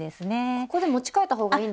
ここで持ちかえた方がいいんですよね？